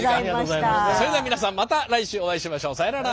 それでは皆さんまた来週お会いしましょう。さようなら。